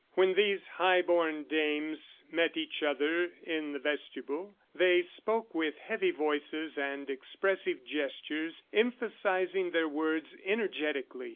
When these high born dames met each other in the vestibule, they spoke with heavy voices and expressive gestures, emphasizing their words energetically.